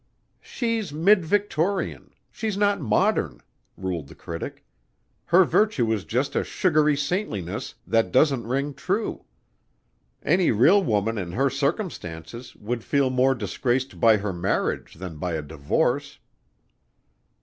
"She's mid Victorian. She's not modern," ruled the critic. "Her virtue is just a sugary saintliness that doesn't ring true. Any real woman in her circumstances would feel more disgraced by her marriage than by a divorce."